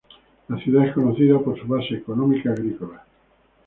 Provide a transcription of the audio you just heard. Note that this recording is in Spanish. La ciudad es conocida por su base económica agrícola.